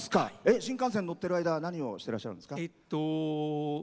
新幹線乗ってる間は何をしてらっしゃるんですか？